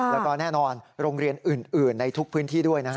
แล้วก็แน่นอนโรงเรียนอื่นในทุกพื้นที่ด้วยนะฮะ